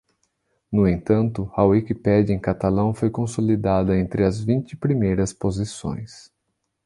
No entanto, a Wikipédia em catalão foi consolidada entre as vinte primeiras posições.